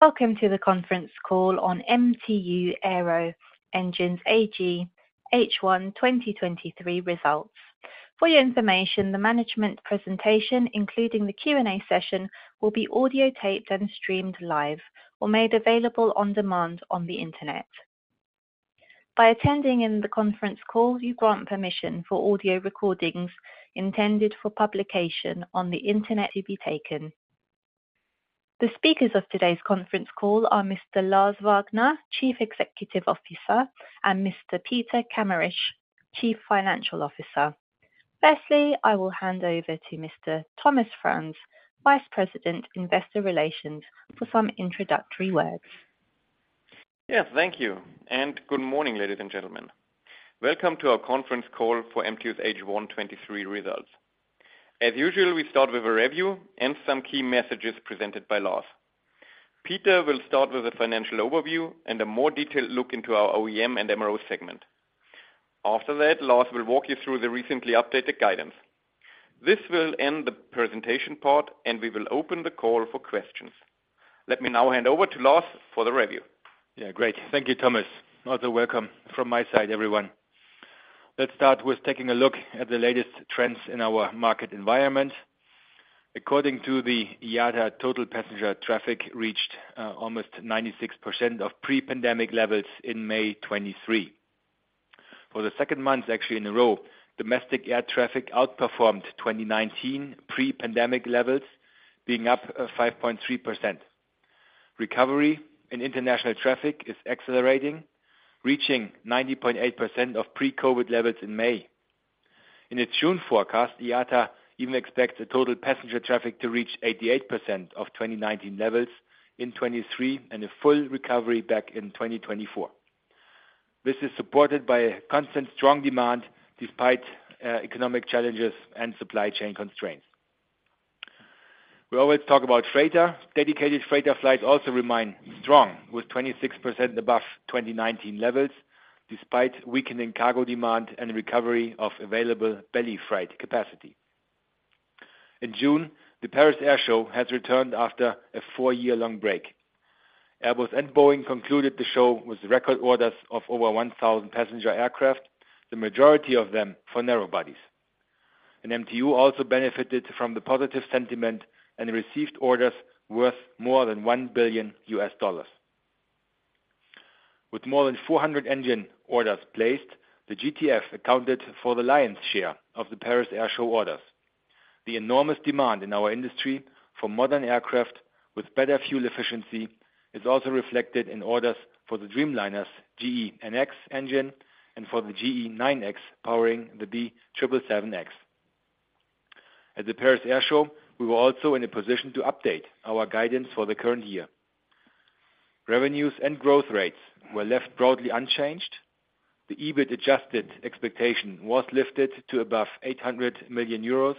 Welcome to the conference call on MTU Aero Engines AG H1 2023 results. For your information, the management presentation, including the Q&A session, will be audio taped and streamed live or made available on demand on the Internet. By attending in the conference call, you grant permission for audio recordings intended for publication on the Internet to be taken. The speakers of today's conference call are Mr. Lars Wagner, Chief Executive Officer, and Mr. Peter Kameritsch, Chief Financial Officer. Firstly, I will hand over to Mr. Thomas Franz, Vice President, Investor Relations, for some introductory words. Yes, thank you, and good morning, ladies and gentlemen. Welcome to our conference call for MTU's H1 '23 results. As usual, we start with a review and some key messages presented by Lars. Peter will start with a financial overview and a more detailed look into our OEM and MRO segment. After that, Lars will walk you through the recently updated guidance. This will end the presentation part, and we will open the call for questions. Let me now hand over to Lars for the review. Yeah, great. Thank you, Thomas. Also, welcome from my side, everyone. Let's start with taking a look at the latest trends in our market environment. According to the IATA, total passenger traffic reached almost 96% of pre-pandemic levels in May 2023. For the second month, actually, in a row, domestic air traffic outperformed 2019 pre-pandemic levels, being up 5.3%. Recovery in international traffic is accelerating, reaching 90.8% of pre-COVID levels in May. In its June forecast, IATA even expects the total passenger traffic to reach 88% of 2019 levels in 2023 and a full recovery back in 2024. This is supported by a constant strong demand despite economic challenges and supply chain constraints. We always talk about freighter. Dedicated freighter flights also remain strong, with 26% above 2019 levels, despite weakening cargo demand and recovery of available belly freight capacity. In June, the Paris Air Show has returned after a 4-year-long break. Airbus and Boeing concluded the show with record orders of over 1,000 passenger aircraft, the majority of them for narrow bodies. MTU also benefited from the positive sentiment and received orders worth more than $1 billion. With more than 400 engine orders placed, the GTF accounted for the lion's share of the Paris Air Show orders. The enormous demand in our industry for modern aircraft with better fuel efficiency is also reflected in orders for the Dreamliner's GEnx engine and for the GE9X powering the B777X. At the Paris Air Show, we were also in a position to update our guidance for the current year. Revenues and growth rates were left broadly unchanged. The EBIT adjusted expectation was lifted to above 800 million euros,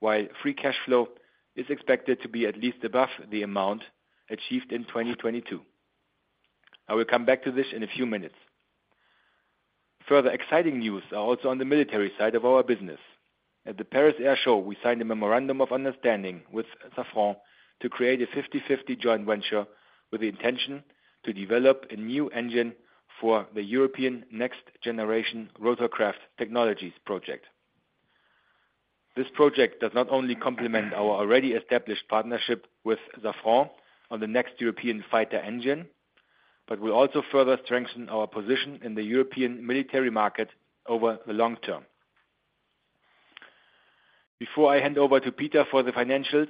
while free cash flow is expected to be at least above the amount achieved in 2022. I will come back to this in a few minutes. Further exciting news are also on the military side of our business. At the Paris Air Show, we signed a memorandum of understanding with Safran to create a 50/50 joint venture with the intention to develop a new engine for the European Next Generation Rotorcraft Technologies project. Thisproject does not only complement our already established partnership with Safran on the next European fighter engine, but will also further strengthen our position in the European military market over the long term. Before I hand over to Peter for the financials,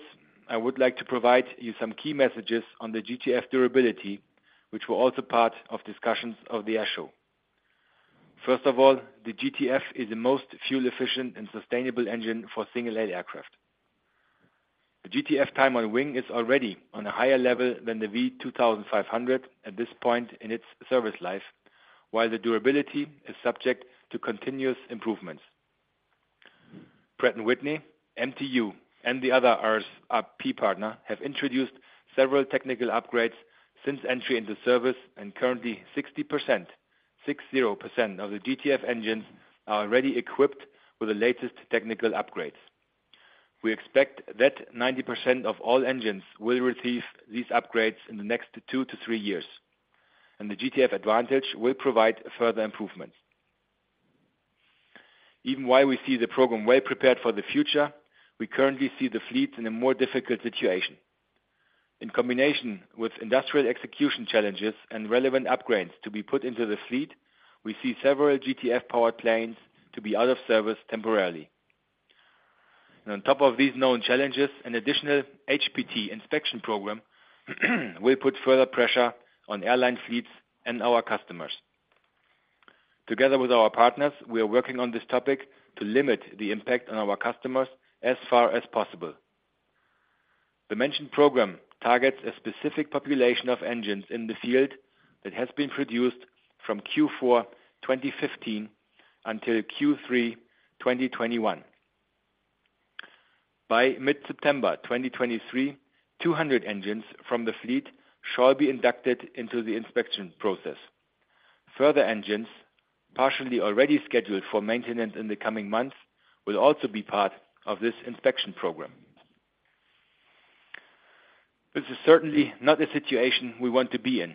I would like to provide you some key messages on the GTF durability, which were also part of discussions of the Air Show. First of all, the GTF is the most fuel-efficient and sustainable engine for single-aisle aircraft. The GTF time on wing is already on a higher level than the V2500 at this point in its service life, while the durability is subject to continuous improvements. Pratt & Whitney, MTU, and the other RSP partner have introduced several technical upgrades since entry into service, and currently 60%, 60% of the GTF engines are already equipped with the latest technical upgrades. We expect that 90% of all engines will receive these upgrades in the next 2-3 years, and the GTF Advantage will provide further improvements. Even while we see the program well prepared for the future, we currently see the fleet in a more difficult situation. In combination with industrial execution challenges and relevant upgrades to be put into the fleet, we see several GTF-powered planes to be out of service temporarily. On top of these known challenges, an additional HPT inspection program, will put further pressure on airline fleets and our customers. Together with our partners, we are working on this topic to limit the impact on our customers as far as possible. The mentioned program targets a specific population of engines in the field that has been produced from Q4 2015 until Q3 2021. By mid-September 2023, 200 engines from the fleet shall be inducted into the inspection process.... Further engines, partially already scheduled for maintenance in the coming months, will also be part of this inspection program. This is certainly not a situation we want to be in,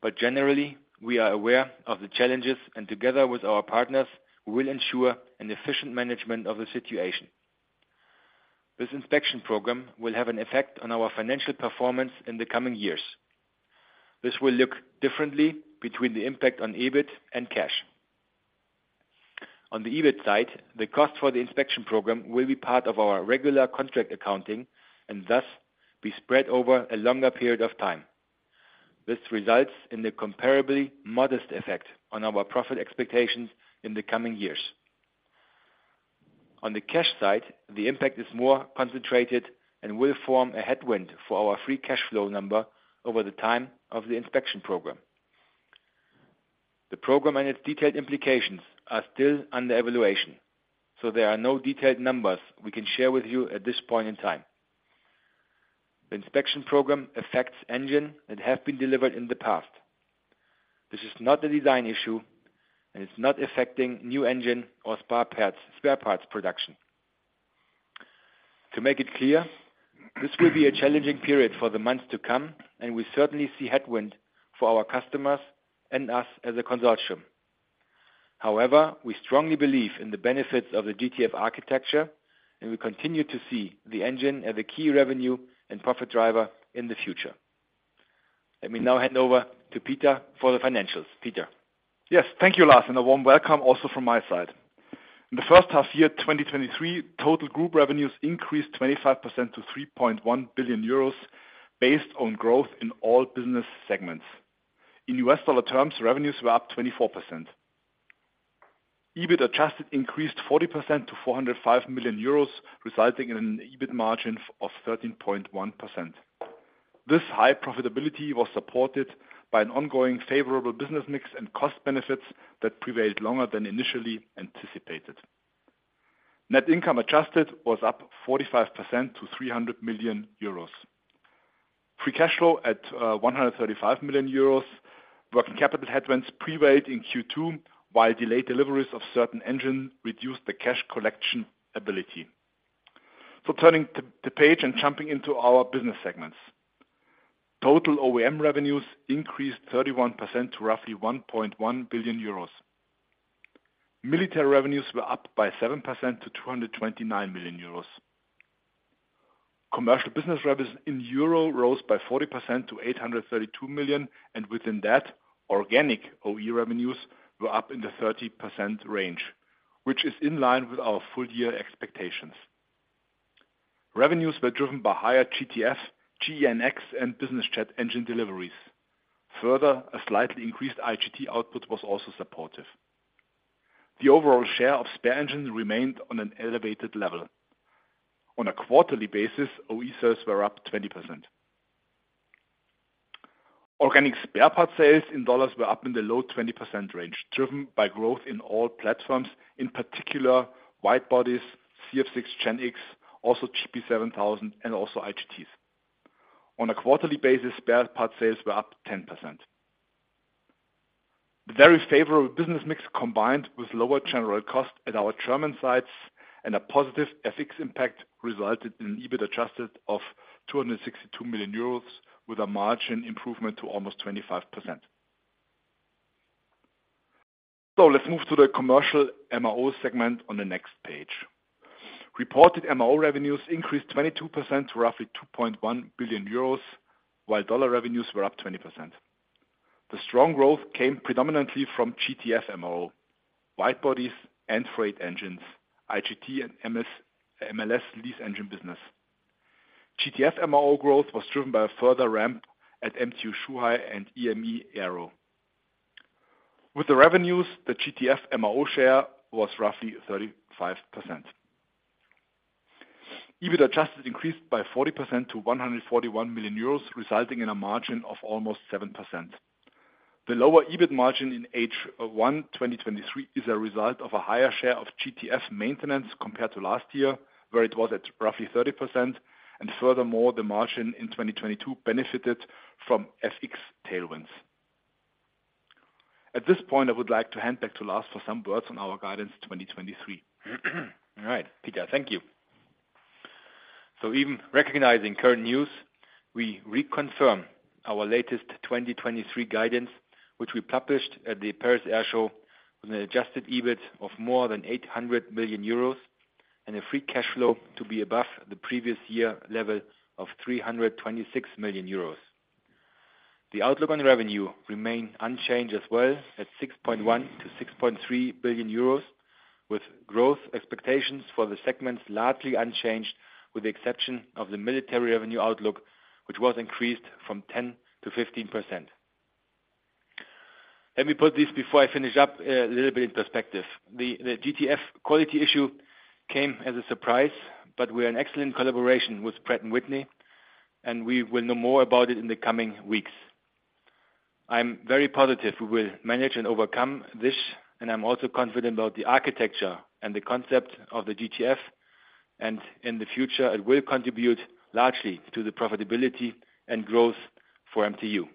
but generally, we are aware of the challenges, and together with our partners, we will ensure an efficient management of the situation. This inspection program will have an effect on our financial performance in the coming years. This will look differently between the impact on EBIT and cash. On the EBIT side, the cost for the inspection program will be part of our regular contract accounting, and thus be spread over a longer period of time. This results in a comparably modest effect on our profit expectations in the coming years. On the cash side, the impact is more concentrated and will form a headwind for our free cash flow number over the time of the inspection program. The program and its detailed implications are still under evaluation. There are no detailed numbers we can share with you at this point in time. The inspection program affects engine that have been delivered in the past. This is not a design issue. It's not affecting new engine or spare parts production. To make it clear, this will be a challenging period for the months to come. We certainly see headwind for our customers and us as a consortium. However, we strongly believe in the benefits of the GTF architecture. We continue to see the engine as a key revenue and profit driver in the future. Let me now hand over to Peter for the financials. Peter? Thank you, Lars, and a warm welcome also from my side. In the first half year, 2023, total group revenues increased 25% to 3.1 billion euros based on growth in all business segments. In US dollar terms, revenues were up 24%. EBIT adjusted increased 40% to 405 million euros, resulting in an EBIT margin of 13.1%. This high profitability was supported by an ongoing favorable business mix and cost benefits that prevailed longer than initially anticipated. Net income adjusted was up 45% to 300 million euros. Free cash flow at 135 million euros, working capital headwinds prevailed in Q2, while delayed deliveries of certain engines reduced the cash collection ability. Turning the page and jumping into our business segments. Total OEM revenues increased 31% to roughly 1.1 billion euros. Military revenues were up by 7% to 229 million euros. Commercial business revenues in EUR rose by 40% to 832 million, and within that, organic OE revenues were up in the 30% range, which is in line with our full year expectations. Revenues were driven by higher GTF, GEnx, and Business Jet engine deliveries. A slightly increased IGT output was also supportive. The overall share of spare engines remained on an elevated level. On a quarterly basis, OE sales were up 20%. Organic spare parts sales in dollars were up in the low 20% range, driven by growth in all platforms, in particular, wide-bodies, CF6 GEnx, also GP7000, and also IGTs. On a quarterly basis, spare parts sales were up 10%. The very favorable business mix, combined with lower general cost at our German sites and a positive FX impact, resulted in an EBIT adjusted of 262 million euros, with a margin improvement to almost 25%. Let's move to the commercial MRO segment on the next page. Reported MRO revenues increased 22% to roughly 2.1 billion euros, while dollar revenues were up 20%. The strong growth came predominantly from GTF MRO, wide-bodies and freight engines, IGT and MLS lease engine business. GTF MRO growth was driven by a further ramp at MTU Shanghai and EME Aero. With the revenues, the GTF MRO share was roughly 35%. EBIT adjusted increased by 40% to 141 million euros, resulting in a margin of almost 7%. The lower EBIT margin in H1 2023 is a result of a higher share of GTF maintenance compared to last year, where it was at roughly 30%, and furthermore, the margin in 2022 benefited from FX tailwinds. At this point, I would like to hand back to Lars for some words on our guidance 2023. Peter, thank you. Even recognizing current news, we reconfirm our latest 2023 guidance, which we published at the Paris Air Show, with an adjusted EBIT of more than 800 million euros and a free cash flow to be above the previous year level of 326 million euros. The outlook on revenue remained unchanged as well, at 6.1 billion-6.3 billion euros, with growth expectations for the segments largely unchanged, with the exception of the military revenue outlook, which was increased from 10%-15%. Let me put this, before I finish up, a little bit in perspective. The GTF quality issue came as a surprise, we are in excellent collaboration with Pratt & Whitney, we will know more about it in the coming weeks. I'm very positive we will manage and overcome this, and I'm also confident about the architecture and the concept of the GTF. In the future, it will contribute largely to the profitability and growth for MTU.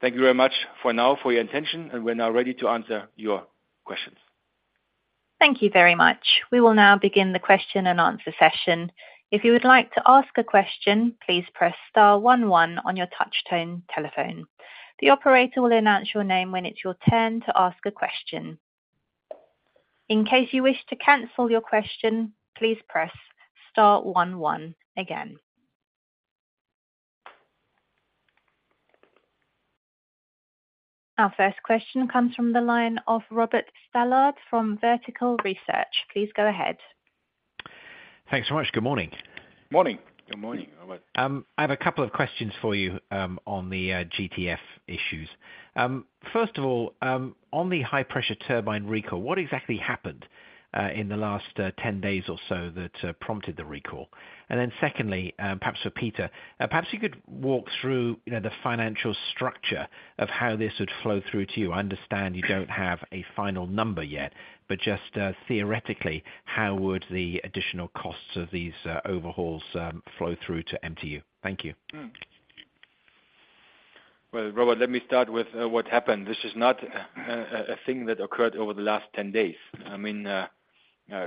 Thank you very much for now, for your attention. We're now ready to answer your questions. Thank you very much. We will now begin the question and answer session. If you would like to ask a question, please press star one one on your touchtone telephone. The operator will announce your name when it's your turn to ask a question. In case you wish to cancel your question, please press star one one again. Our first question comes from the line of Robert Stallard from Vertical Research. Please go ahead. Thanks so much. Good morning. Morning. Good morning, Robert. I have a couple of questions for you, on the GTF issues. First of all, on the high-pressure turbine recall, what exactly happened in the last 10 days or so that prompted the recall? Secondly, perhaps for Peter, perhaps you could walk through, you know, the financial structure of how this would flow through to you. I understand you don't have a final number yet, but just theoretically, how would the additional costs of these overhauls flow through to MTU? Thank you. Well, Robert, let me start with what happened. This is not a thing that occurred over the last 10 days. I mean,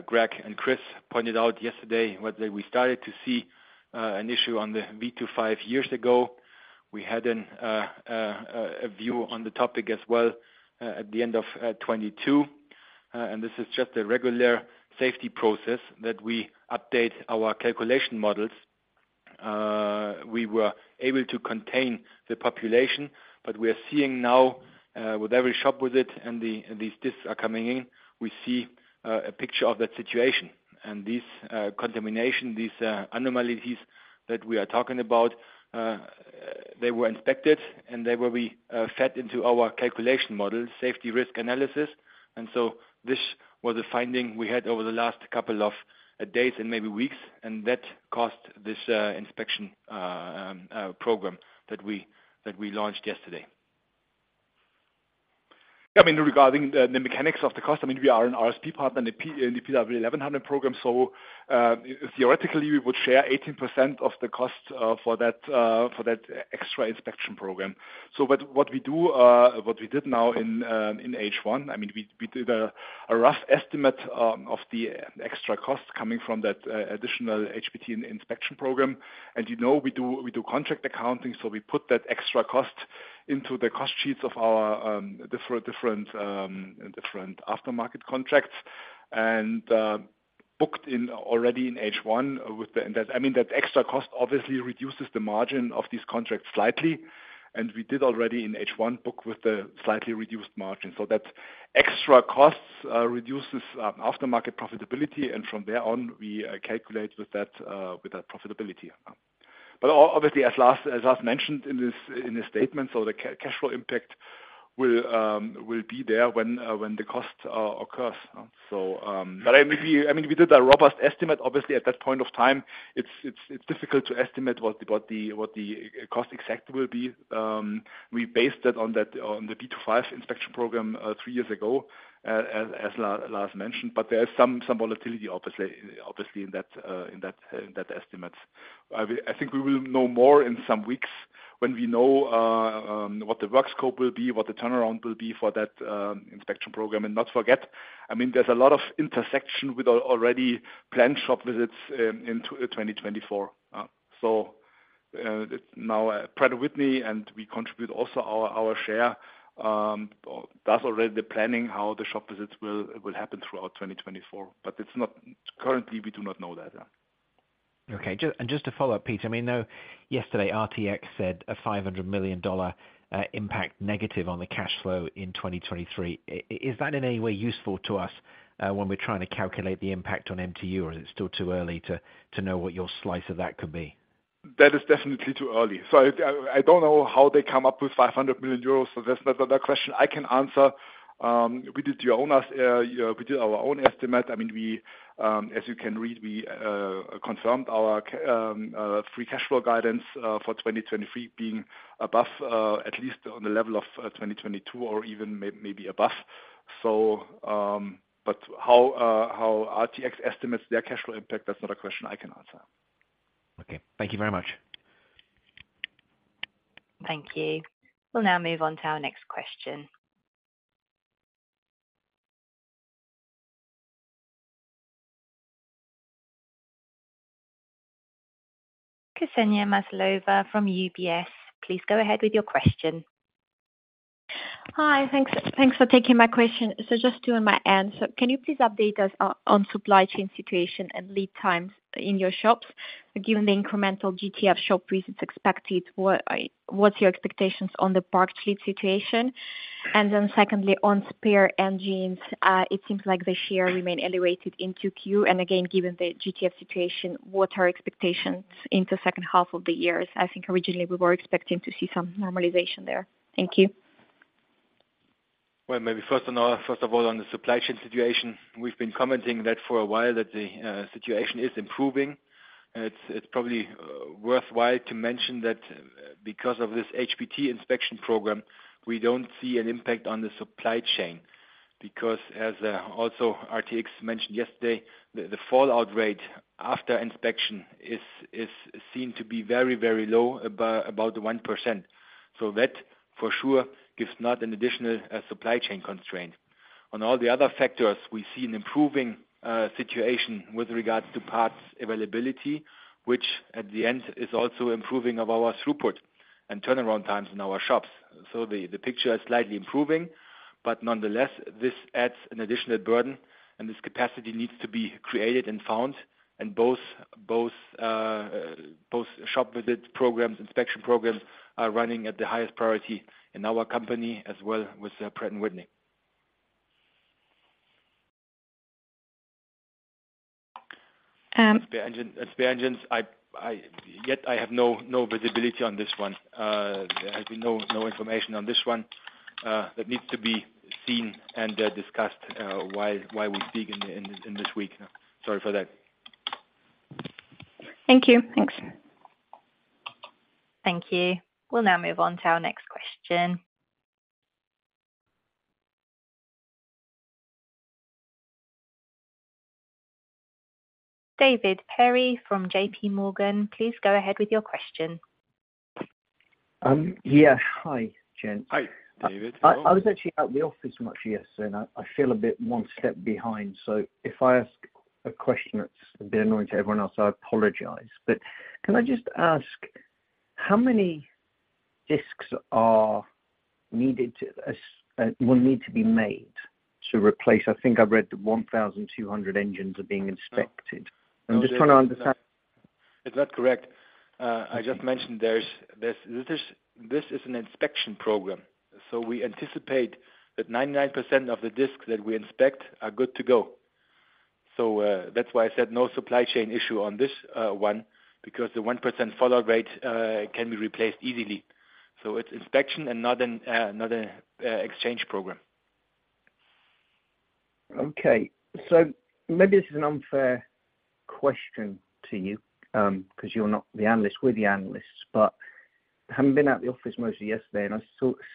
Greg and Chris pointed out yesterday, whether we started to see an issue on the V2500 five years ago. We had a view on the topic as well at the end of 2022. This is just a regular safety process that we update our calculation models. We were able to contain the population. We are seeing now with every shop with it, these discs are coming in, we see a picture of that situation. These contamination, these anomalies that we are talking about, they were inspected, and they will be fed into our calculation model, safety risk analysis. This was a finding we had over the last couple of days and maybe weeks, and that cost this inspection program that we launched yesterday. I mean, regarding the mechanics of the cost, I mean, we are an RSP partner in the PW1100 program, so theoretically, we would share 18% of the cost for that for that extra inspection program. So what we do, what we did now in H1, I mean, we did a rough estimate of the extra cost coming from that additional HPT inspection program. You know, we do contract accounting, so we put that extra cost into the cost sheets of our different aftermarket contracts, and booked in already in H1. That, I mean, that extra cost obviously reduces the margin of these contracts slightly, and we did already in H1 book with the slightly reduced margin. That extra costs reduces aftermarket profitability, and from there on, we calculate with that profitability. Obviously, as Lars mentioned in this statement, so the cash flow impact will be there when the cost occurs. I mean, we did a robust estimate. Obviously, at that point of time, it's difficult to estimate what the cost exactly will be. We based it on the V2500 inspection program 3 years ago, as Lars mentioned, but there is some volatility, obviously, in that estimate. I think we will know more in some weeks when we know what the work scope will be, what the turnaround will be for that inspection program. Not forget, I mean, there's a lot of intersection with our already planned shop visits in 2024. Now, Pratt & Whitney, and we contribute also our share, that's already the planning, how the shop visits will happen throughout 2024. Currently, we do not know that, yeah. Just to follow up, Peter, I mean, though, yesterday, RTX said a $500 million impact negative on the cash flow in 2023. Is that in any way useful to us when we're trying to calculate the impact on MTU, or is it still too early to know what your slice of that could be? That is definitely too early. I don't know how they come up with 500 million euros. That's not a question I can answer. We did our own estimate. I mean, we, as you can read, we confirmed our free cash flow guidance for 2023 being above, at least on the level of 2022 or even maybe above. How RTX estimates their cash flow impact, that's not a question I can answer. Okay. Thank you very much. Thank you. We'll now move on to our next question. Ksenia Maslova from UBS, please go ahead with your question. Hi. Thanks for taking my question. Just two on my end. Can you please update us on supply chain situation and lead times in your shops, given the incremental GTF shop visits expected, what's your expectations on the parts lead situation? Secondly, on spare engines, it seems like the share remained elevated in Q2, and again, given the GTF situation, what are expectations in the second half of the year? I think originally we were expecting to see some normalization there. Thank you. Well, first of all, on the supply chain situation, we've been commenting that for a while, that the situation is improving. It's probably worthwhile to mention that. Because of this HPT inspection program, we don't see an impact on the supply chain, because as also RTX mentioned yesterday, the fallout rate after inspection is seen to be very, very low, about 1%. That for sure, gives not an additional supply chain constraint. On all the other factors, we see an improving situation with regards to parts availability, which at the end is also improving of our throughput and turnaround times in our shops. The picture is slightly improving, but nonetheless, this adds an additional burden, and this capacity needs to be created and found. Both shop visit programs, inspection programs, are running at the highest priority in our company as well with Pratt & Whitney. Spare engine, spare engines, I yet I have no visibility on this one. There has been no information on this one. That needs to be seen and discussed while we speak in this week. Sorry for that. Thank you. Thanks. Thank you. We'll now move on to our next question. Dave Perry from JPMorgan, please go ahead with your question. Yeah. Hi, gents. Hi, Dave. I was actually out of the office much yesterday. I feel a bit one step behind, so if I ask a question that's a bit annoying to everyone else, I apologize. Can I just ask, how many discs are needed to will need to be made to replace? I think I've read that 1,200 engines are being inspected. I'm just trying to understand. It's not correct. I just mentioned there's this is an inspection program, we anticipate that 99% of the discs that we inspect are good to go. That's why I said no supply chain issue on this one, because the 1% fallout rate can be replaced easily. It's inspection and not an exchange program. Okay, maybe this is an unfair question to you, 'cause you're not the analyst, we're the analysts. Having been out of the office mostly yesterday, and I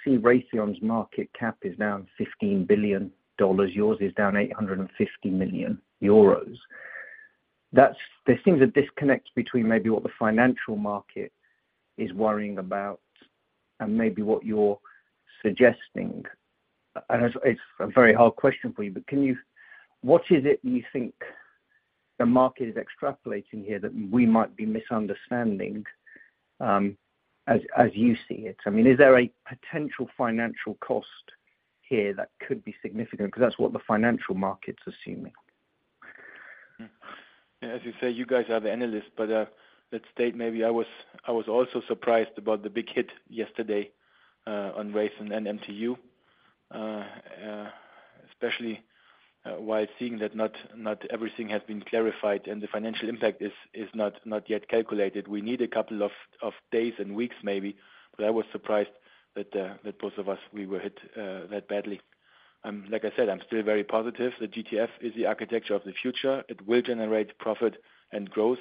see RTX's market cap is down $15 billion, yours is down 850 million euros. There seems a disconnect between maybe what the financial market is worrying about and maybe what you're suggesting. It's a very hard question for you, but what is it you think the market is extrapolating here that we might be misunderstanding as you see it? I mean, is there a potential financial cost here that could be significant? Because that's what the financial market's assuming. As you say, you guys are the analysts, but, let's state maybe I was also surprised about the big hit yesterday, on Raytheon and MTU. Especially, while seeing that not everything has been clarified and the financial impact is not yet calculated. We need a couple of days and weeks maybe, but I was surprised that both of us, we were hit that badly. Like I said, I'm still very positive. The GTF is the architecture of the future. It will generate profit and growth.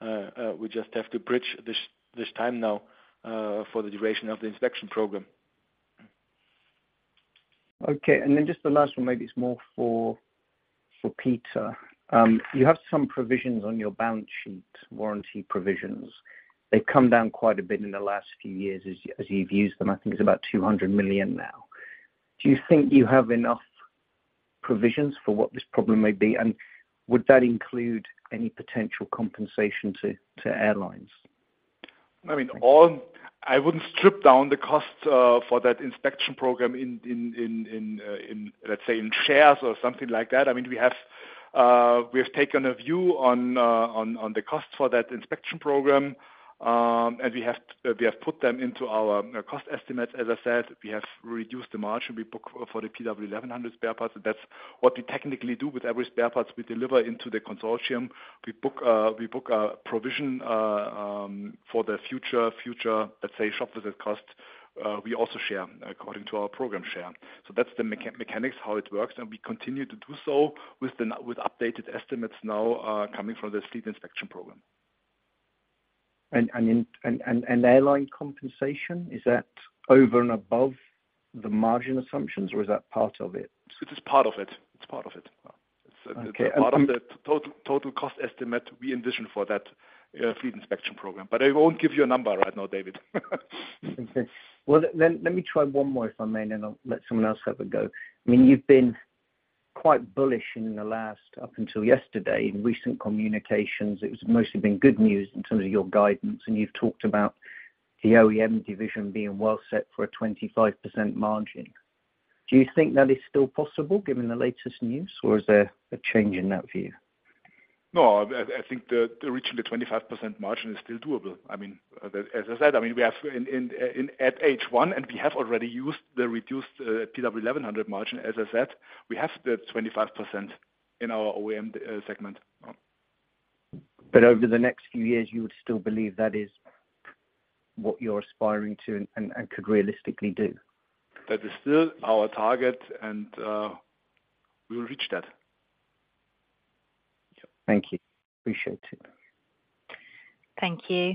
We just have to bridge this time now for the duration of the inspection program. Okay, just the last one, maybe it's more for Peter. You have some provisions on your balance sheet, warranty provisions. They've come down quite a bit in the last few years as you've used them. I think it's about 200 million now. Do you think you have enough provisions for what this problem may be, and would that include any potential compensation to airlines? I mean, I wouldn't strip down the cost for that inspection program in, let's say, in shares or something like that. I mean, we have taken a view on the cost for that inspection program. We have put them into our cost estimates. As I said, we have reduced the margin we book for the PW1100G-JM spare parts, that's what we technically do with every spare parts we deliver into the consortium. We book a provision for the future, let's say, shop visit costs, we also share according to our program share. That's the mechanics, how it works, we continue to do so with updated estimates now coming from the fleet inspection program. Airline compensation, is that over and above the margin assumptions, or is that part of it? It is part of it. It's part of it. Okay. Part of the total cost estimate we envision for that, fleet inspection program. I won't give you a number right now, David. Well, let me try one more, if I may, then I'll let someone else have a go. I mean, you've been quite bullish in the last, up until yesterday, in recent communications. It's mostly been good news in terms of your guidance, and you've talked about the OEM division being well set for a 25% margin. Do you think that is still possible given the latest news, or is there a change in that view? No, I think the reaching the 25% margin is still doable. I mean, as I said, I mean, we have at H1, and we have already used the reduced PW1100G-JM margin. As I said, we have the 25% in our OEM segment. Over the next few years, you would still believe that is what you're aspiring to and could realistically do? That is still our target, and we will reach that. Thank you. Appreciate it. Thank you.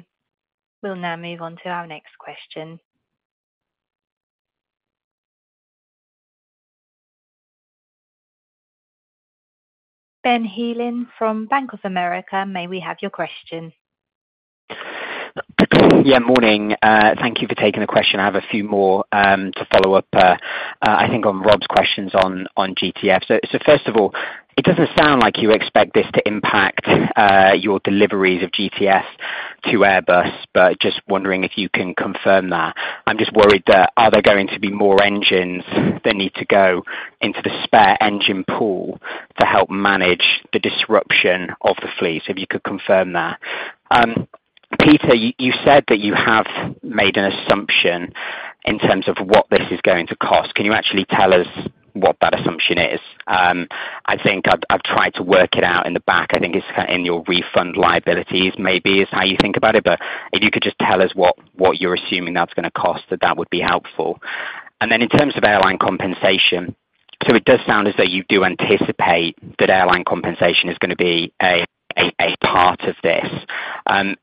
We'll now move on to our next question. Ben Heelan from Bank of America, may we have your question? Yeah, morning. Thank you for taking the question. I have a few more to follow up, I think on Rob's questions on GTF. First of all, it doesn't sound like you expect this to impact your deliveries of GTF to Airbus, but just wondering if you can confirm that. I'm just worried that are there going to be more engines that need to go into the spare engine pool to help manage the disruption of the fleet? If you could confirm that. Peter, you said that you have made an assumption in terms of what this is going to cost. Can you actually tell us what that assumption is? I think I've tried to work it out in the back. I think it's kind in your refund liabilities maybe is how you think about it. If you could just tell us what you're assuming that's gonna cost, that would be helpful. In terms of airline compensation, so it does sound as though you do anticipate that airline compensation is gonna be a part of this.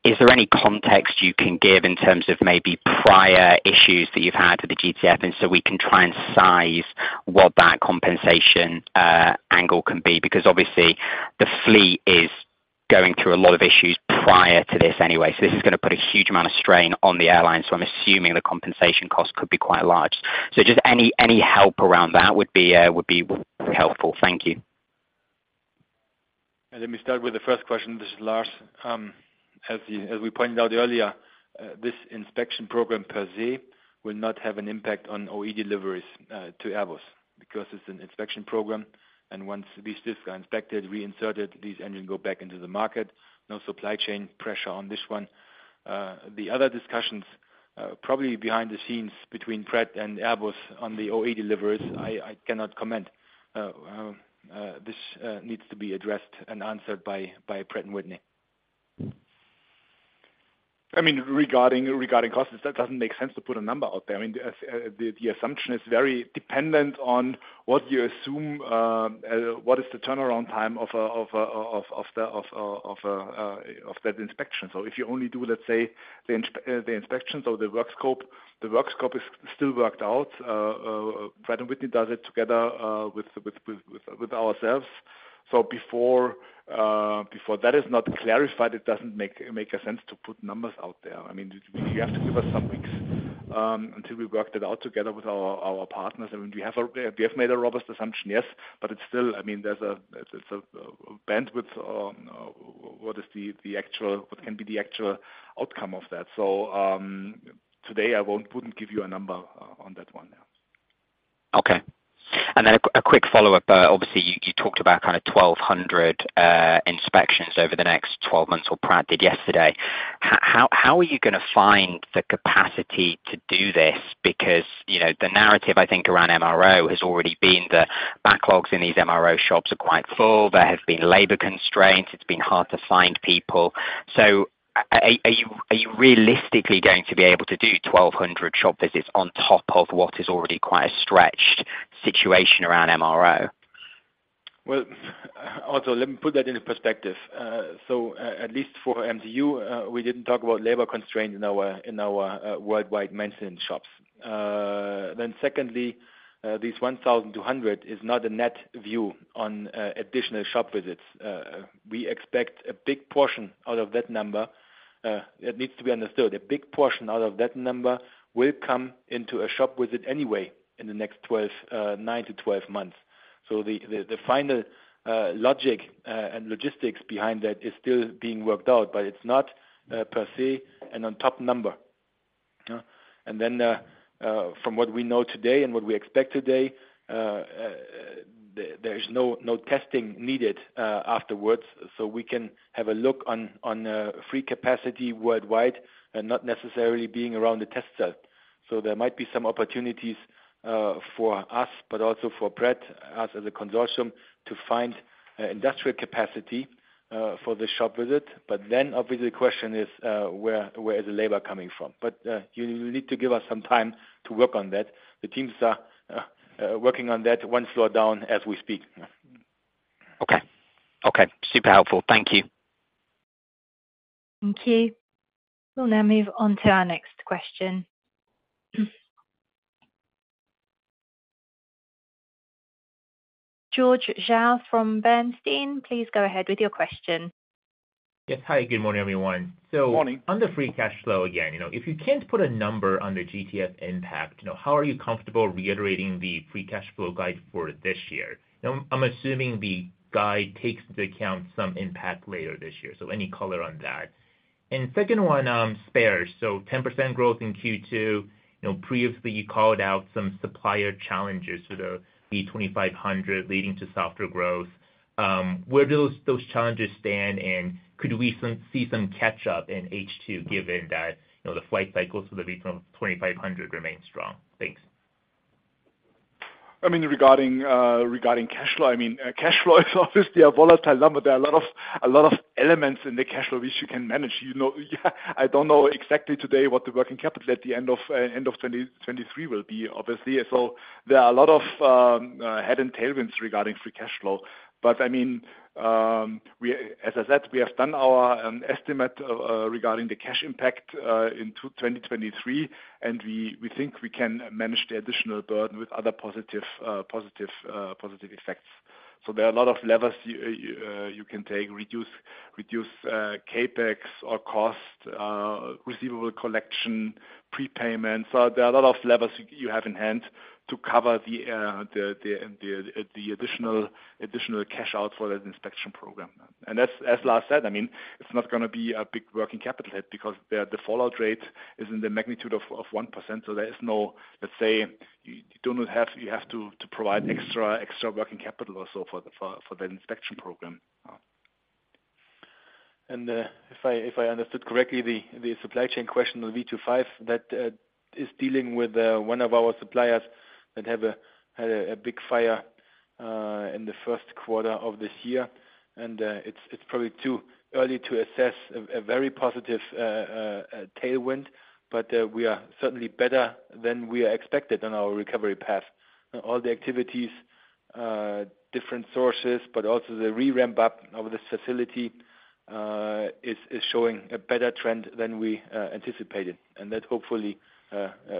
Is there any context you can give in terms of maybe prior issues that you've had with the GTF, and so we can try and size what that compensation angle can be? Because obviously the fleet is going through a lot of issues prior to this anyway, so this is gonna put a huge amount of strain on the airline. I'm assuming the compensation cost could be quite large. Just any help around that would be helpful. Thank you. Let me start with the first question. This is Lars. As you, as we pointed out earlier, this inspection program per se, will not have an impact on OE deliveries to Airbus because it's an inspection program, and once these disks are inspected, reinserted, these engine go back into the market. No supply chain pressure on this one. The other discussions probably behind the scenes between Pratt and Airbus on the OE deliveries, I cannot comment. This needs to be addressed and answered by Pratt & Whitney. I mean, regarding costs, that doesn't make sense to put a number out there. I mean, the assumption is very dependent on what you assume, what is the turnaround time of that inspection. If you only do, let's say, the inspections or the work scope, the work scope is still worked out. Pratt & Whitney does it together with ourselves. Before that is not clarified, it doesn't make a sense to put numbers out there. I mean, you have to give us some weeks until we worked it out together with our partners. I mean, we have made a robust assumption, yes, but it's still, I mean, it's a bandwidth on what is the actual outcome of that. Today, I wouldn't give you a number on that one now. Okay. Then a quick follow-up, obviously, you talked about kind of 1,200 inspections over the next 12 months, or Pratt did yesterday. How are you gonna find the capacity to do this? Because, you know, the narrative, I think, around MRO has already been the backlogs in these MRO shops are quite full. There have been labor constraints. It's been hard to find people. Are you realistically going to be able to do 1,200 shop visits on top of what is already quite a stretched situation around MRO? Well, also, let me put that into perspective. At least for MTU, we didn't talk about labor constraints in our worldwide maintenance shops. Secondly, this 1,200 is not a net view on additional shop visits. We expect a big portion out of that number, it needs to be understood. A big portion out of that number will come into a shop visit anyway, in the next 12, 9-12 months. The final logic and logistics behind that is still being worked out, but it's not per se and on top number. Then from what we know today and what we expect today, there is no testing needed afterwards. We can have a look on free capacity worldwide and not necessarily being around the test cell. There might be some opportunities for us, but also for Pratt, us as a consortium, to find industrial capacity for the shop visit. Obviously the question is, where is the labor coming from? You need to give us some time to work on that. The teams are working on that one slow down as we speak. Okay. Okay, super helpful. Thank you. Thank you. We'll now move on to our next question. George Zhao from Bernstein, please go ahead with your question. Yes. Hi, good morning, everyone. Good morning. On the free cash flow again, you know, if you can't put a number on the GTF impact, you know, how are you comfortable reiterating the free cash flow guide for this year? I'm assuming the guide takes into account some impact later this year. Any color on that? Second one, spares. 10% growth in Q2. You know, previously you called out some supplier challenges to the V2500 leading to softer growth. Where do those challenges stand, and could we see some catch up in H2, given that, you know, the flight cycles for the V2500 remain strong? Thanks.... I mean, regarding cash flow, I mean, cash flow is obviously a volatile number. There are a lot of elements in the cash flow, which you can manage, you know? I don't know exactly today what the working capital at the end of 2023 will be, obviously. There are a lot of head and tailwinds regarding free cash flow. I mean, we, as I said, we have done our estimate regarding the cash impact into 2023, and we think we can manage the additional burden with other positive effects. There are a lot of levers you can take: reduce CapEx or cost, receivable collection, prepayment. There are a lot of levers you have in hand to cover the additional cash out for that inspection program. As Lars said, I mean, it's not gonna be a big working capital hit because the fallout rate is in the magnitude of 1%, so there is no, let's say, you do not have to provide extra working capital or so for the inspection program. If I understood correctly, the supply chain question on V25, that is dealing with one of our suppliers that had a big fire in the first quarter of this year. It's probably too early to assess a very positive tailwind, but we are certainly better than we expected on our recovery path. All the activities, different sources, but also the re-ramp-up of this facility, is showing a better trend than we anticipated, and that hopefully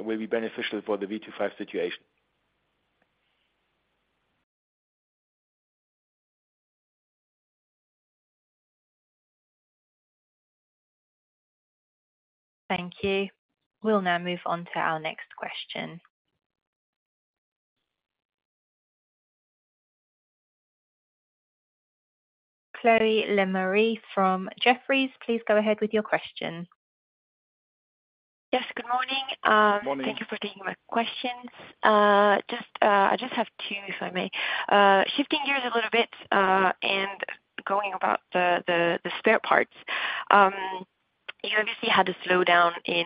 will be beneficial for the V25 situation. Thank you. We'll now move on to our next question. Chloé Lemarié from Jefferies, please go ahead with your question. Yes, good morning. Good morning. Thank you for taking my questions. Just, I just have 2, if I may. Shifting gears a little bit, and going about the spare parts. You obviously had to slow down in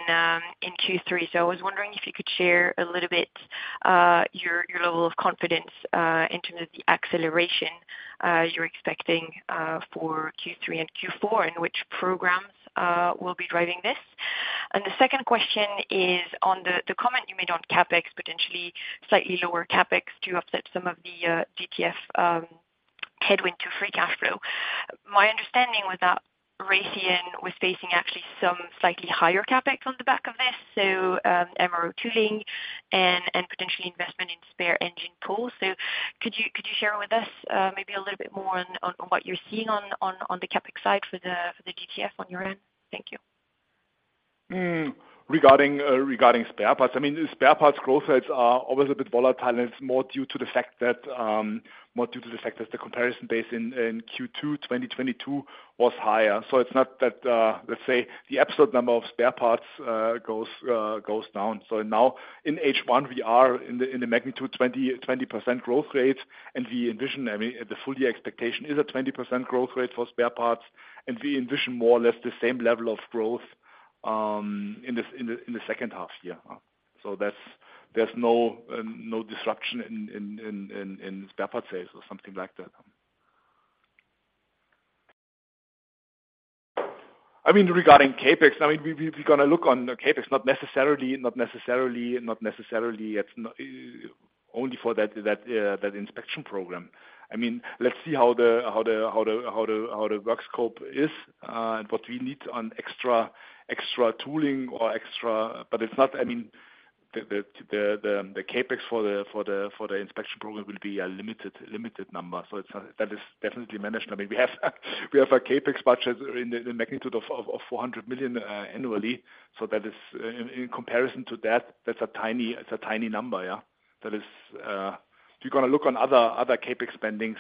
Q3, so I was wondering if you could share a little bit, your level of confidence, in terms of the acceleration, you're expecting, for Q3 and Q4, and which programs, will be driving this? The second question is on the comment you made on CapEx, potentially slightly lower CapEx to offset some of the GTF headwind to free cash flow. My understanding was that Raytheon was facing actually some slightly higher CapEx on the back of this, MRO tooling and potentially investment in spare engine pool. Could you share with us, maybe a little bit more on what you're seeing on the CapEx side for the GTF on your end? Thank you. Regarding, regarding spare parts, I mean, spare parts growth rates are always a bit volatile, and it's more due to the fact that, more due to the fact that the comparison base in Q2 2022 was higher. It's not that, let's say the absolute number of spare parts goes down. Now in H1, we are in the magnitude 20% growth rate, and we envision, I mean, the full year expectation is a 20% growth rate for spare parts, and we envision more or less the same level of growth in the second half year. That's, there's no disruption in spare parts sales or something like that. I mean, regarding CapEx, I mean, we're gonna look on CapEx, not necessarily, it's not only for that inspection program. I mean, let's see how the work scope is and what we need on extra tooling or extra. It's not, I mean, the CapEx for the inspection program will be a limited number. It's not, that is definitely managed. I mean, we have a CapEx budget in the magnitude of 400 million annually. That is, in comparison to that, it's a tiny number, yeah. That is, we're gonna look on other CapEx spendings.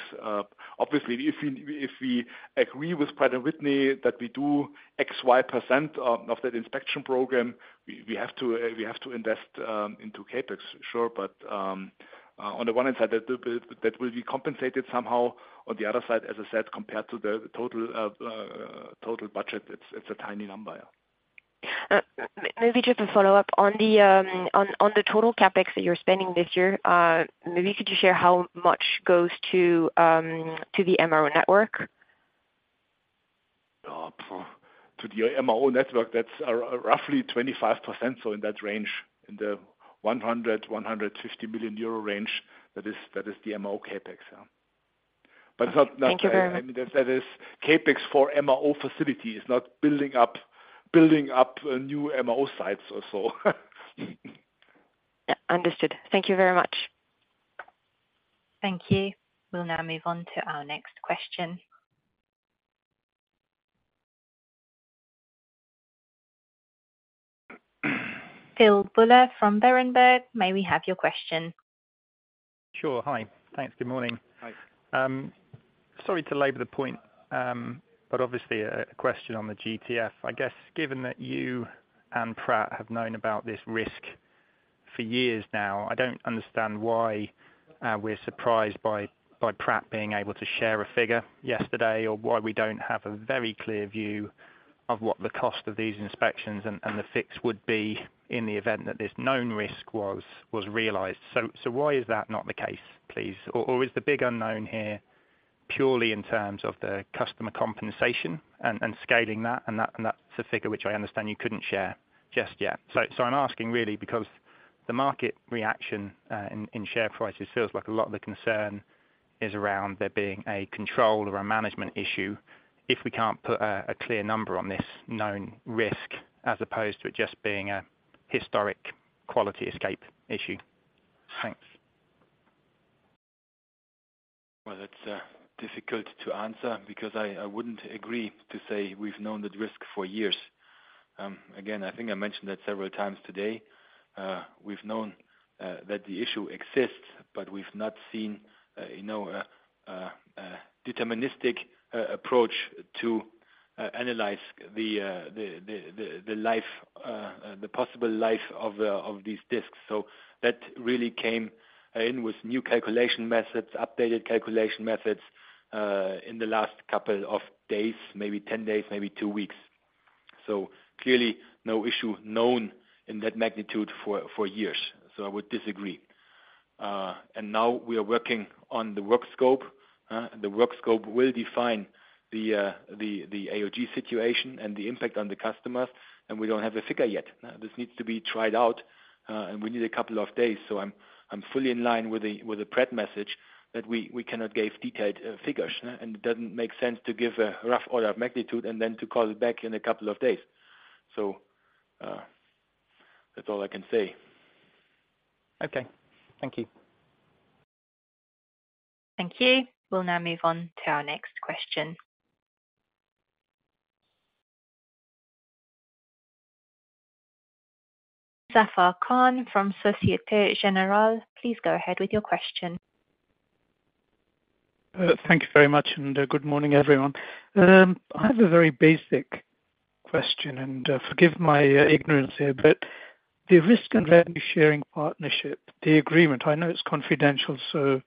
Obviously, if we agree with Pratt & Whitney that we do X, Y% of that inspection program, we have to invest into CapEx. Sure. On the one hand side, that will be compensated somehow. On the other side, as I said, compared to the total budget, it's a tiny number, yeah. Maybe just a follow-up. On the total CapEx that you're spending this year, maybe could you share how much goes to the MRO network? to the MRO network, that's roughly 25%, so in that range, in the 100 million-150 million euro range, that is the MRO CapEx, yeah. Thank you very much. I mean, that is CapEx for MRO facility. It's not building up, new MRO sites or so. Yeah, understood. Thank you very much. Thank you. We'll now move on to our next question. Phil Buller from Berenberg, may we have your question? Sure. Hi. Thanks. Good morning. Hi. Sorry to labor the point, obviously a question on the GTF. I guess, given that you and Pratt have known about this risk for years now, I don't understand why we're surprised by Pratt being able to share a figure yesterday, or why we don't have a very clear view of what the cost of these inspections and the fix would be in the event that this known risk was realized. Why is that not the case, please? Is the big unknown here purely in terms of the customer compensation and scaling that, and that's a figure which I understand you couldn't share just yet. I'm asking really because the market reaction, in share prices feels like a lot of the concern is around there being a control or a management issue, if we can't put a clear number on this known risk, as opposed to it just being a historic quality escape issue. Thanks. Well, that's difficult to answer because I wouldn't agree to say we've known the risk for years. Again, I think I mentioned that several times today. We've known that the issue exists, but we've not seen, you know, a deterministic approach to analyze the life the possible life of these discs. That really came in with new calculation methods, updated calculation methods, in the last couple of days, maybe 10 days, maybe two weeks. Clearly no issue known in that magnitude for years, so I would disagree. And now we are working on the work scope. The work scope will define the AOG situation and the impact on the customers, and we don't have a figure yet. This needs to be tried out. We need a couple of days. I'm fully in line with the Pratt message that we cannot give detailed figures. It doesn't make sense to give a rough order of magnitude and then to call back in a couple of days. That's all I can say. Okay. Thank you. Thank you. We'll now move on to our next question. Zafar Khan from Societe Generale, please go ahead with your question. Thank you very much. Good morning, everyone. I have a very basic question. Forgive my ignorance here. The risk and revenue sharing partnership, the agreement, I know it's confidential, so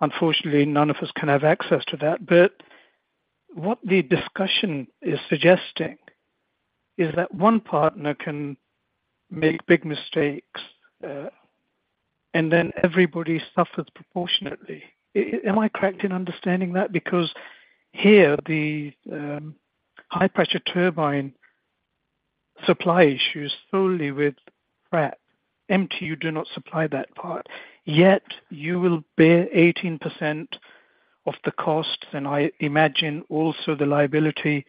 unfortunately none of us can have access to that. What the discussion is suggesting is that one partner can make big mistakes, and then everybody suffers proportionately. Am I correct in understanding that? Here, the high pressure turbine supply issues solely with Pratt. MTU do not supply that part, yet you will bear 18% of the cost, and I imagine also the liability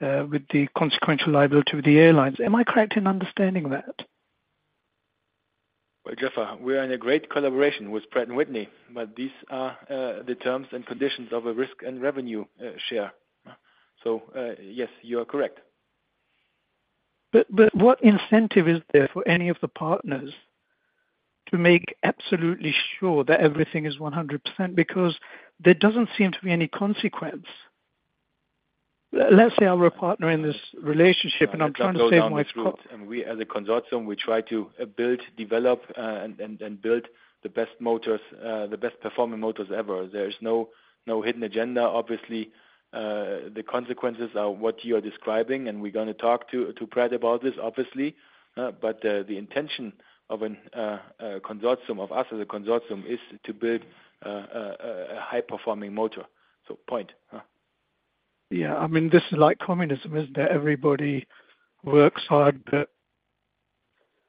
with the consequential liability with the airlines. Am I correct in understanding that? Well, Zafar, we are in a great collaboration with Pratt & Whitney, these are the terms and conditions of a risk and revenue share. Yes, you are correct. What incentive is there for any of the partners to make absolutely sure that everything is 100%? There doesn't seem to be any consequence. Let's say I were a partner in this relationship, and I'm trying to save my co- We, as a consortium, we try to build, develop, and build the best motors, the best performing motors ever. There is no hidden agenda. Obviously, the consequences are what you are describing, and we're gonna talk to Pratt about this, obviously. The intention of a consortium, of us as a consortium, is to build a high-performing motor. Point, huh? Yeah, I mean, this is like communism, isn't it? Everybody works hard, but,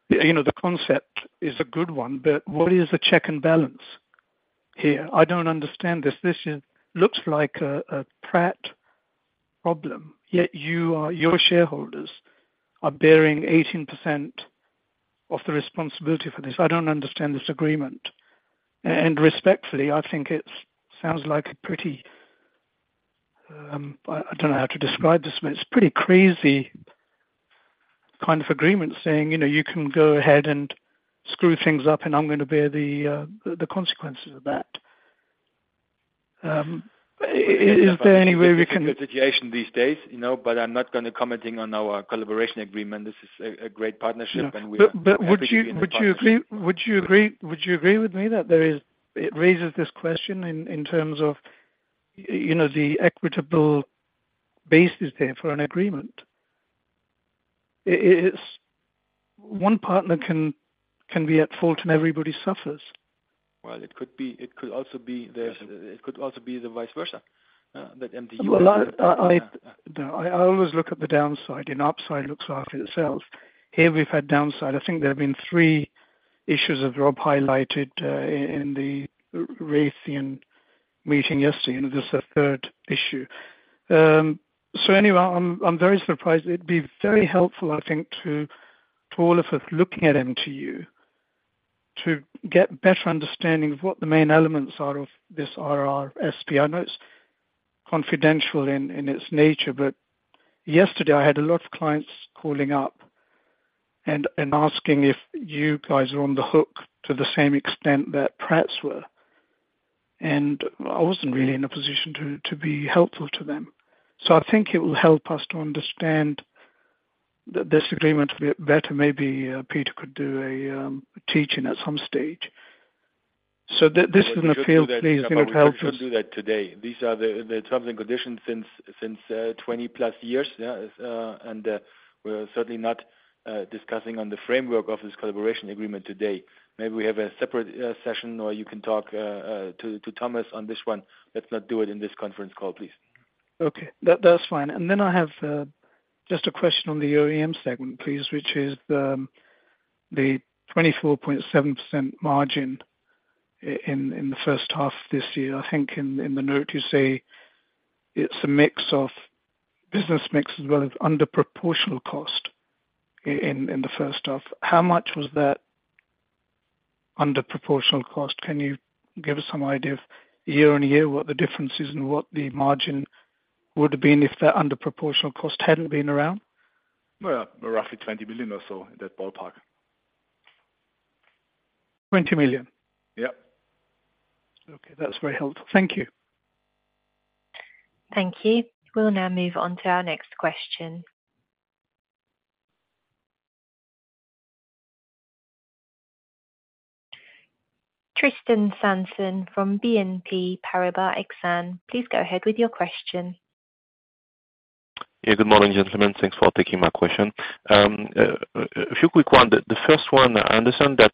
you know, the concept is a good one, but what is the check and balance here? I don't understand this. This is looks like a Pratt problem, yet you are your shareholders are bearing 18% of the responsibility for this. I don't understand this agreement, and respectfully, I don't know how to describe this, but it's pretty crazy kind of agreement saying, you know, "You can go ahead and screw things up, and I'm going to bear the consequences of that. Situation these days, you know, but I'm not gonna commenting on our collaboration agreement. This is a great partnership. Would you agree with me that it raises this question in terms of, you know, the equitable basis there for an agreement? It's one partner can be at fault, and everybody suffers. Well, it could be, It could also be the vice versa, that MTU-. Well, I always look at the downside and upside looks after itself. Here we've had downside. I think there have been three issues that Rob highlighted in the Raytheon meeting yesterday, and this is the third issue. Anyway, I'm very surprised. It'd be very helpful, I think, to all of us looking at MTU to get better understanding of what the main elements are of this RRSP. I know it's confidential in its nature, but yesterday I had a lot of clients calling up and asking if you guys are on the hook to the same extent that Pratt's were, and I wasn't really in a position to be helpful to them. I think it will help us to understand this agreement better, maybe Peter could do a teaching at some stage. This is an appeal, please, you know, help us. We should do that today. These are the terms and conditions since 20 plus years. Yeah, we're certainly not discussing on the framework of this collaboration agreement today. Maybe we have a separate session, or you can talk to Thomas on this one. Let's not do it in this conference call, please. Okay, that's fine. Then I have just a question on the OEM segment, please, which is the 24.7% margin in the first half this year. I think in the note you say it's a mix of business mix as well as under proportional cost in the first half. How much was that under proportional cost? Can you give us some idea of year-on-year, what the difference is and what the margin would have been if that under proportional cost hadn't been around? Well, roughly 20 million or so, in that ballpark. 20 million? Yep. Okay, that's very helpful. Thank you. Thank you. We'll now move on to our next question. Tristan Sanson from BNP Paribas Exane, please go ahead with your question. Yeah, good morning, gentlemen. Thanks for taking my question. A few quick one. The first one, I understand that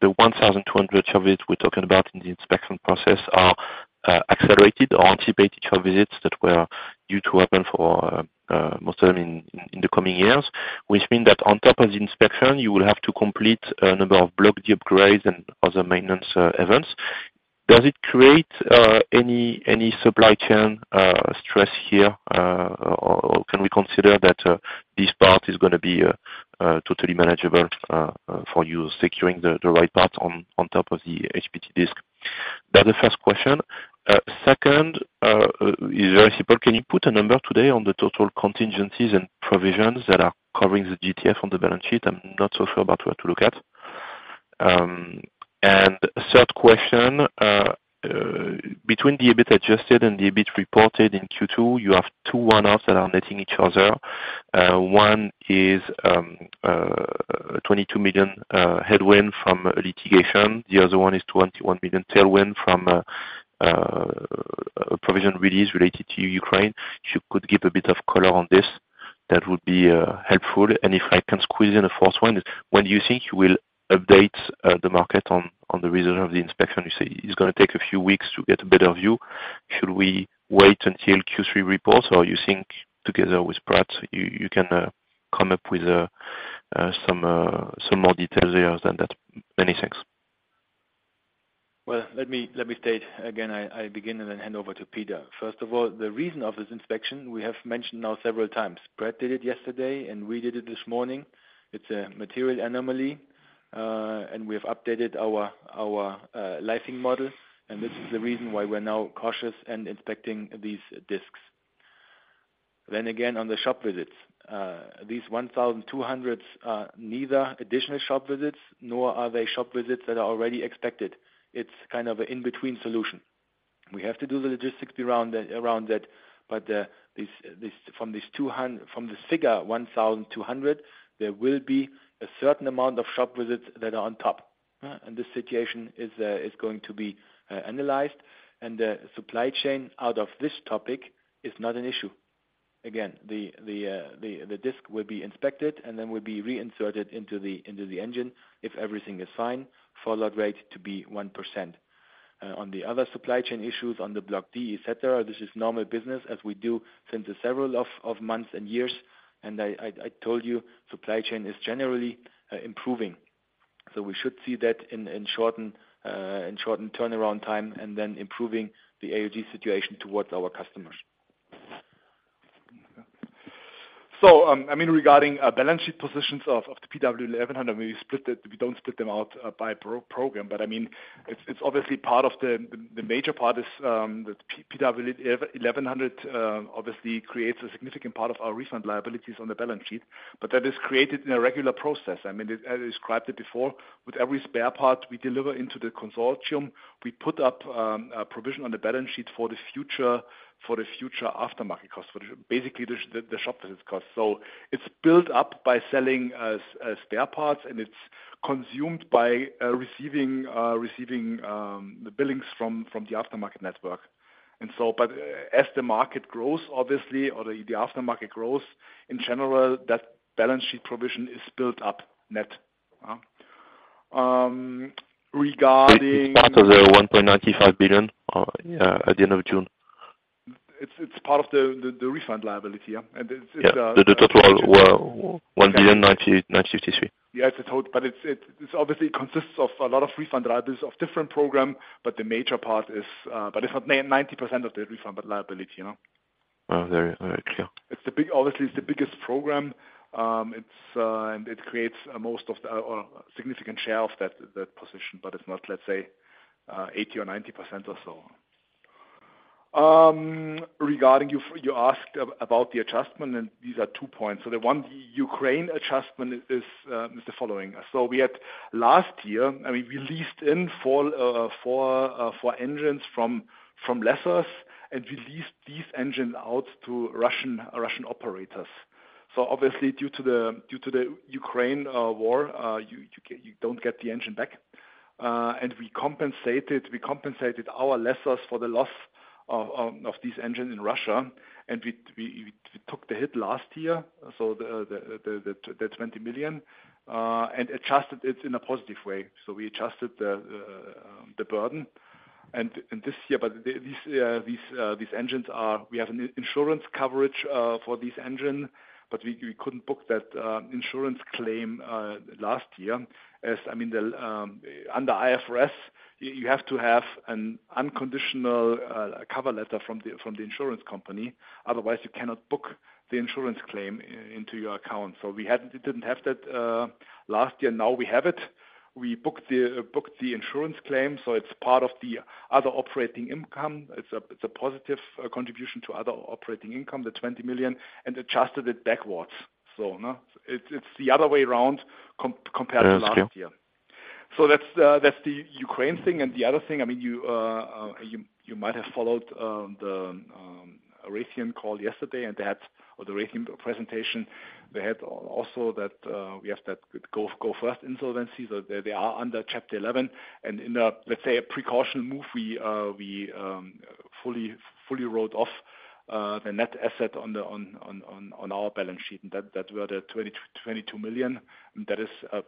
the 1,200 shop visits we're talking about in the inspection process are accelerated or anticipated shop visits that were due to open for most of them in the coming years. Which mean that on top of the inspection, you will have to complete a number of Block D upgrades and other maintenance events. Does it create any supply chain stress here? Or can we consider that this part is gonna be totally manageable for you, securing the right part on top of the HPT disk? That's the first question. Second is very simple. Can you put a number today on the total contingencies and provisions that are covering the GTF on the balance sheet? I'm not so sure about where to look at. Third question, between the EBIT adjusted and the EBIT reported in Q2, you have two one-offs that are netting each other. One is 22 million headwind from litigation. The other one is 21 million tailwind from provision release related to Ukraine. If you could give a bit of color on this, that would be helpful. If I can squeeze in a fourth one, when do you think you will update the market on the reason of the inspection? You say it's gonna take a few weeks to get a better view. Should we wait until Q3 reports, or you think together with Pratt, you can come up with some more details there than that? Many thanks. Well, let me state again, I begin and then hand over to Peter. First of all, the reason of this inspection, we have mentioned now several times. Brett did it yesterday. We did it this morning. It's a material anomaly. We've updated our licensing model. This is the reason why we're now cautious and inspecting these disks. Again, on the shop visits, these 1,200 neither additional shop visits, nor are they shop visits that are already expected. It's kind of an in-between solution. We have to do the logistics around that. From the figure 1,200, there will be a certain amount of shop visits that are on top, and this situation is going to be analyzed, and the supply chain out of this topic is not an issue. Again, the disk will be inspected and then will be reinserted into the engine if everything is fine, follow-up rate to be 1%. On the other supply chain issues, on the Block D, et cetera, this is normal business as we do since several months and years. I told you, supply chain is generally improving. We should see that in shortened turnaround time, and then improving the AOG situation towards our customers. I mean, regarding balance sheet positions of the PW1100G-JM, we don't split them out by pro-program, but I mean, it's obviously part of the major part is the PW1100G-JM obviously creates a significant part of our refund liabilities on the balance sheet, but that is created in a regular process. I mean, as I described it before, with every spare part we deliver into the consortium, we put up a provision on the balance sheet for the future aftermarket cost, for basically the shop visit cost. It's built up by selling spare parts, and it's consumed by receiving the billings from the aftermarket network. As the market grows, obviously, or the aftermarket grows, in general, that balance sheet provision is built up net. Part of the 1.95 billion at the end of June? It's part of the refund liability, yeah, and it's. Yeah, the total were 1,000,000,093. Yes, it's total, but it's obviously consists of a lot of refund liabilities of different program, but the major part is, but it's not 90% of the refund, but liability, you know? Oh, very, very clear. It's the big. Obviously, it's the biggest program. It's, and it creates most of the, or significant share of that position, but it's not, let's say, 80% or 90% or so. Regarding you asked about the adjustment, and these are two points. The one, Ukraine adjustment is the following. We had last year, I mean, we leased in four engines from lessors, and we leased these engines out to Russian operators. Obviously, due to the Ukraine war, you don't get the engine back. We compensated our lessors for the loss of these engines in Russia, and we took the hit last year, so the 20 million and adjusted it in a positive way. We adjusted the burden. This year, but these engines are, we have an insurance coverage for these engines, but we couldn't book that insurance claim last year. I mean, under IFRS, you have to have an unconditional cover letter from the insurance company, otherwise you cannot book the insurance claim into your account. We hadn't, didn't have that last year. Now we have it. We booked the insurance claim, so it's part of the other operating income. It's a positive contribution to other operating income, the 20 million, and adjusted it backwards. No, it's the other way around compared to last year. Yes, clear. That's the Ukraine thing. The other thing, I mean, you might have followed the Raytheon call yesterday, or the Raytheon presentation. They had also that we have that Go First insolvency, that they are under Chapter 11, and in a, let's say, a precautionary move, we fully wrote off the net asset on our balance sheet. That were the 22 million. That is an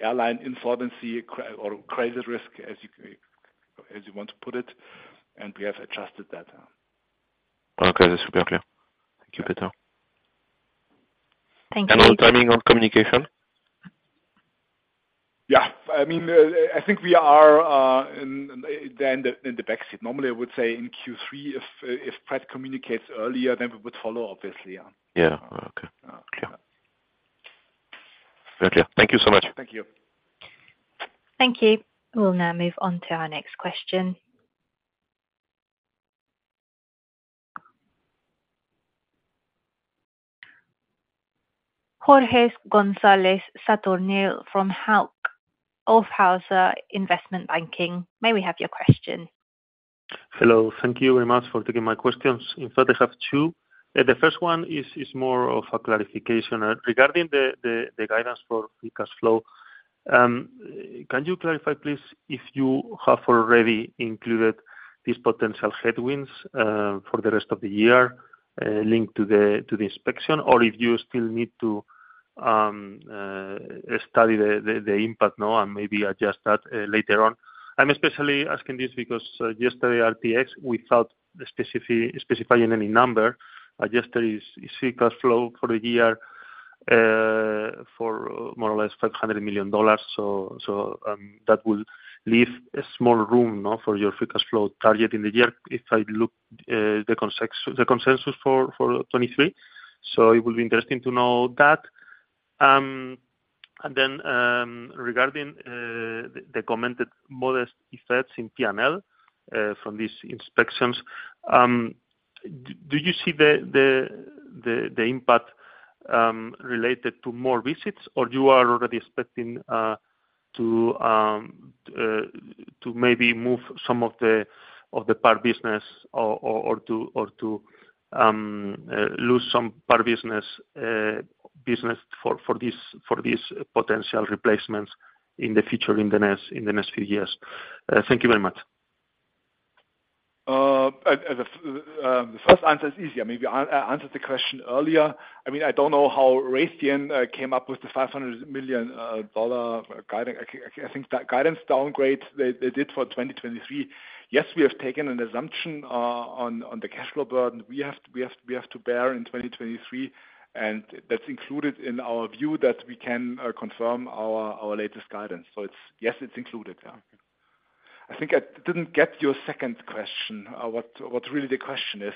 airline insolvency or credit risk, as you want to put it. We have adjusted that. Okay, that's super clear. Thank you, Peter. Thank you. On timing on communication? I mean, I think we are in the backseat. Normally, I would say in Q3, if Fred communicates earlier, then we would follow, obviously, yeah. Yeah. Okay. Clear. Okay, thank you so much. Thank you. Thank you. We'll now move on to our next question. Jorge Gonzalez Sadornil from Hauck Aufhäuser Investment Banking, may we have your question? Hello. Thank you very much for taking my questions. In fact, I have two. The first one is more of a clarification. Regarding the guidance for free cash flow, can you clarify, please, if you have already included these potential headwinds for the rest of the year, linked to the inspection, or if you still need to study the impact now and maybe adjust that later on? I'm especially asking this because yesterday, RTX, without specifying any number, yesterday's free cash flow for the year, for more or less $500 million. That would leave a small room, no, for your free cash flow target in the year, if I look the consensus for 2023. So it would be interesting to know that. Regarding the commented modest effects in PNL from these inspections, do you see the impact related to more visits, or you are already expecting to maybe move some of the part business or to lose some part of business for these potential replacements in the future, in the next few years? Thank you very much. The first answer is easier. Maybe I answered the question earlier. I mean, I don't know how Raytheon came up with the $500 million guiding. I think that guidance downgrade they did for 2023. Yes, we have taken an assumption on the cash flow burden. We have to bear in 2023, that's included in our view that we can confirm our latest guidance. Yes, it's included, yeah. I think I didn't get your second question, what really the question is.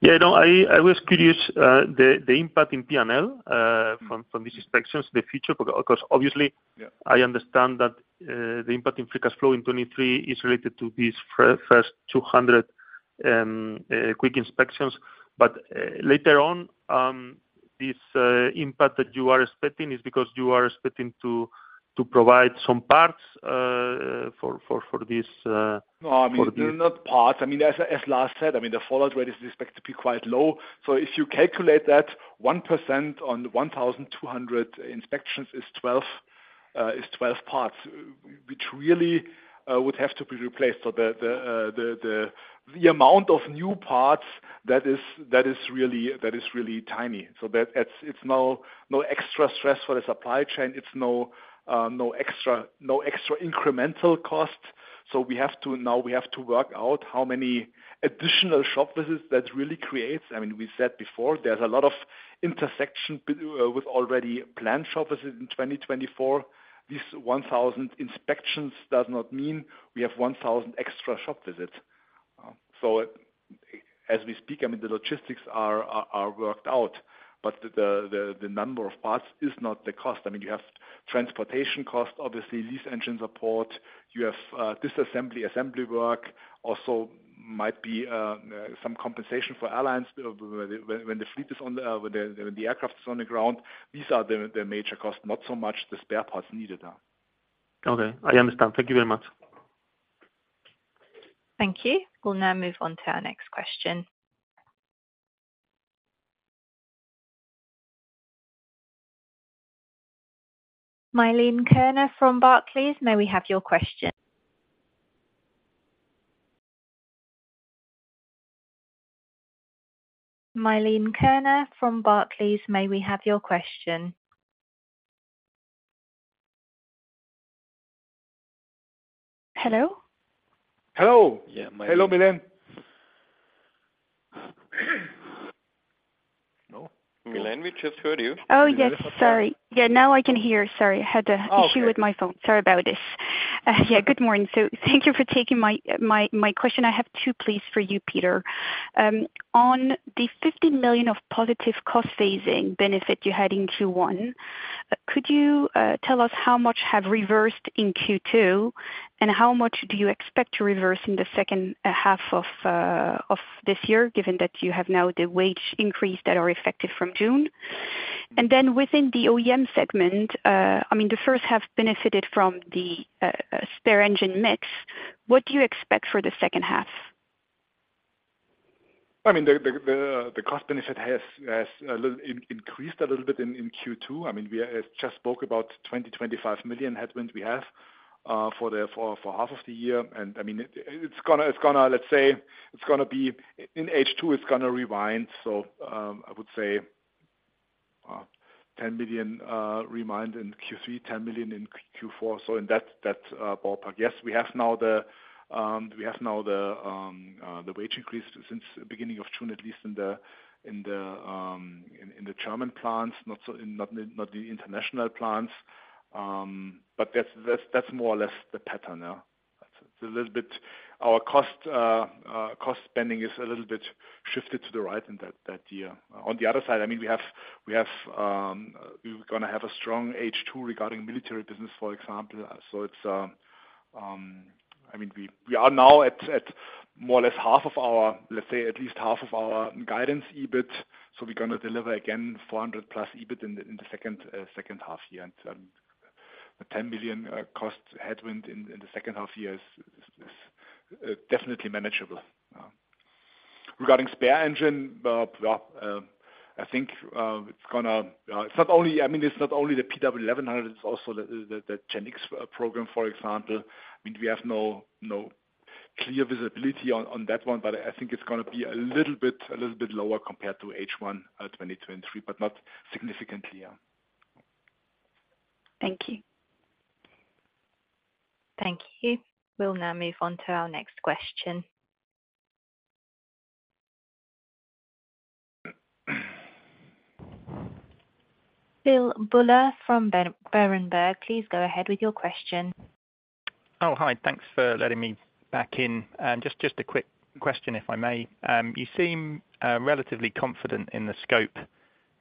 Yeah, no, I was curious, the impact in PNL. From these inspections, the future, because obviously- Yeah. I understand that the impact in free cash flow in 23 is related to these first 200 quick inspections. Later on, this impact that you are expecting is because you are expecting to provide some parts for this for the. I mean, not parts. I mean, as Lars Wagner said, I mean, the follow-up rate is expected to be quite low. If you calculate that 1% on 1,200 inspections is 12 parts, which really would have to be replaced. The amount of new parts that is really tiny. That's no extra stress for the supply chain. It's no extra incremental cost. Now we have to work out how many additional shop visits that really creates. I mean, we said before, there's a lot of intersection with already planned shop visits in 2024. This 1,000 inspections does not mean we have 1,000 extra shop visits. As we speak, I mean, the logistics are worked out, but the number of parts is not the cost. I mean, you have transportation costs, obviously, these engines are port. You have disassembly, assembly work, also might be some compensation for airlines when the aircraft is on the ground. These are the major costs, not so much the spare parts needed, yeah. Okay, I understand. Thank Thank you very much. Thank you. We'll now move on to our next question. Milene Kerner from Barclays, may we have your question? Milene Kerner from Barclays, may we have your question? Hello? Hello. Yeah, Milene. Hello, Milene. No, Milene, we just heard you. Oh, yes. Sorry. Yeah, now I can hear. Sorry, I had. Oh, okay. issue with my phone. Sorry about this. Yeah, good morning. Thank you for taking my question. I have two, please, for you, Peter. On the 50 million of positive cost phasing benefit you had in Q1, could you tell us how much have reversed in Q2, and how much do you expect to reverse in the second half of this year, given that you have now the wage increase that are effective from June? Within the OEM segment, I mean, the first half benefited from the spare engine mix. What do you expect for the second half? I mean, the cost benefit has increased a little bit in Q2. I mean, we just spoke about 20-25 million headwind we have for the half of the year. I mean, it's gonna, let's say, In H2, it's gonna rewind. I would say, 10 million remind in Q3, 10 million in Q4, in that ballpark. Yes, we have now the, we have now the wage increase since the beginning of June, at least in the German plants, not the international plants. That's more or less the pattern now. Our cost spending is a little bit shifted to the right in that year. On the other side, I mean, we're gonna have a strong H2 regarding military business, for example. I mean, we are now more or less half of our, let's say, at least half of our guidance, EBIT. We're gonna deliver again 400+ EBIT in the second half year. The 10 million cost headwind in the second half year is definitely manageable. Regarding spare engine, well, I think it's not only, I mean, it's not only the PW1100G-JM, it's also the GEnx program, for example. I mean, we have no clear visibility on that one, but I think it's gonna be a little bit lower compared to H1 2023, but not significantly, yeah. Thank you. Thank you. We'll now move on to our next question. Philip Buller from Berenberg, please go ahead with your question. Hi. Thanks for letting me back in. Just a quick question, if I may. You seem relatively confident in the scope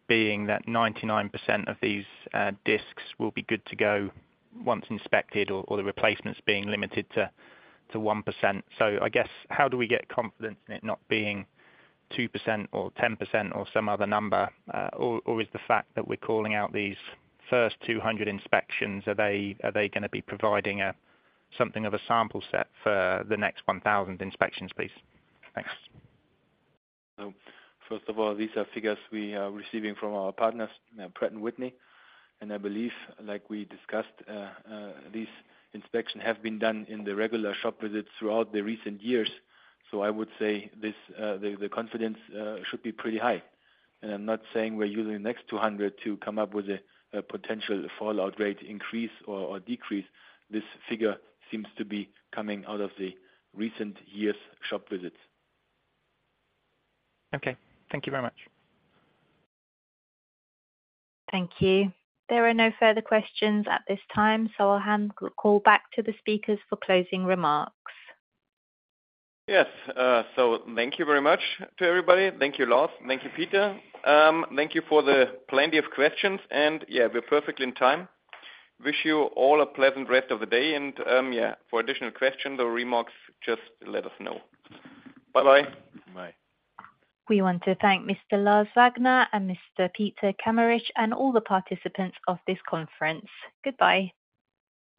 being that 99% of these disks will be good to go once inspected or the replacements being limited to 1%. I guess, how do we get confidence in it not being 2% or 10% or some other number? Or is the fact that we're calling out these first 200 inspections, are they gonna be providing something of a sample set for the next 1,000 inspections, please? Thanks. First of all, these are figures we are receiving from our partners, Pratt & Whitney. I believe, like we discussed, these inspections have been done in the regular shop visits throughout the recent years. I would say this, the confidence should be pretty high. I'm not saying we're using the next 200 to come up with a potential fallout rate increase or decrease. This figure seems to be coming out of the recent years' shop visits. Okay. Thank you very much. Thank you. There are no further questions at this time, so I'll hand call back to the speakers for closing remarks. Thank you very much to everybody. Thank you, Lars. Thank you, Peter. Thank you for the plenty of questions. We're perfectly on time. Wish you all a pleasant rest of the day. For additional questions or remarks, just let us know. Bye-bye. Bye. We want to thank Mr. Lars Wagner and Mr. Peter Kameritsch, and all the participants of this conference. Goodbye.